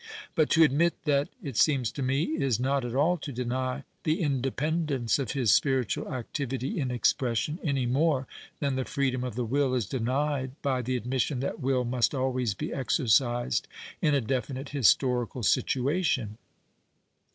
But to admit that, it seems to me, is not at all to deny the inde pendence of his spiritual activity in expression any more than the freedom of the Avill is denied by the admission that will must always be exercised in a definite historical situation.